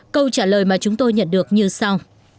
câu trả lời mà chúng tôi nhận được như sau